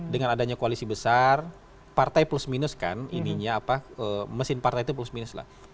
dengan adanya koalisi besar partai plus minus kan ininya apa mesin partai itu plus minus lah